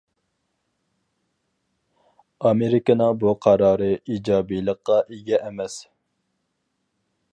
ئامېرىكىنىڭ بۇ قارارى ئىجابىيلىققا ئىگە ئەمەس.